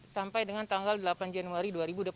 sampai dengan tanggal delapan januari dua ribu dua puluh satu